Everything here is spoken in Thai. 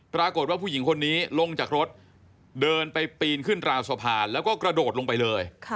ปรากฏว่าผู้หญิงคนนี้ลงจากรถเดินไปปีนขึ้นราวสะพานแล้วก็กระโดดลงไปเลย